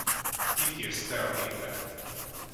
Itt jössz te a képbe.